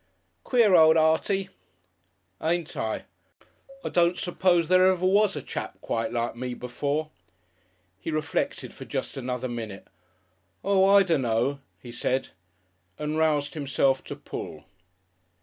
"Queer old Artie!" "Ain't I? I don't suppose there ever was a chap quite like me before." He reflected for just another minute. "Oo! I dunno," he said, and roused himself to pull.